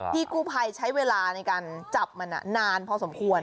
พี่กู้ภัยใช้เวลาในการจับมันนานพอสมควร